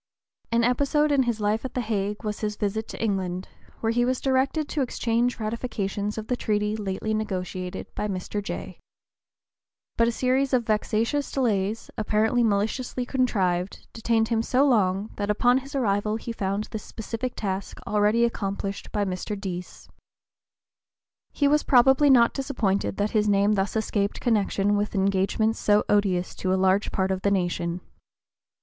An episode in his life at the Hague was his visit to England, where he was directed to exchange ratifications of the treaty lately negotiated by Mr. Jay. But a series of vexatious delays, apparently maliciously contrived, detained him so long that upon his arrival he found this specific task already accomplished by Mr. Deas. He was probably not disappointed that his name thus escaped connection with engagements so odious to a large part of the nation.